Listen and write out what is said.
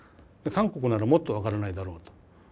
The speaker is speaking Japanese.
韓国ならもっと分からないだろうと。